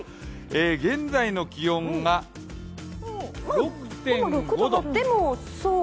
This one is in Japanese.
現在の気温が６．５度。